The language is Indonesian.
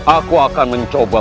aku akan mencoba